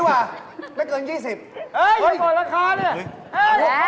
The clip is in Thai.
เฮ่ยอย่าบอกราคาเลย